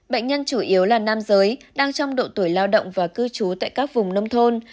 bệnh nhân chủ yếu là nam giới đang trong độ tuổi lao động và cư trú tại các vùng nông thôn